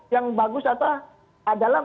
yang bagus apa adalah